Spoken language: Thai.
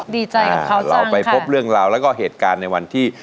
ดีใจกับเขาจังอะครับเราไปพบเรื่องราวและก็เหตุการณ์ในวันที่